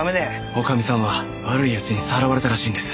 おかみさんは悪いやつにさらわれたらしいんです。